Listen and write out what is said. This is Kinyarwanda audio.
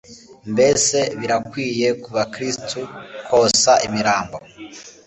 mbese birakwiriye ku bakristo kosa imirambo